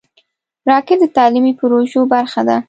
راکټ د تعلیمي پروژو برخه ده